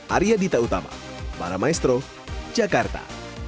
arya dita utama para maestro jakarta